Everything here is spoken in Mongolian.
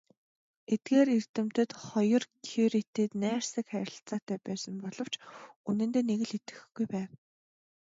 Эдгээр эрдэмтэд хоёр Кюретэй найрсаг харилцаатай байсан боловч үнэндээ нэг л итгэхгүй байв.